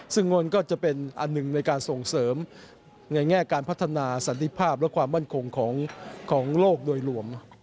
ซึ่งงนก็จะเป็นอันหนึ่งในการส่งเสริมในแง่การพัฒนาสันติภาพและความมั่นคงของโลกโดยรวม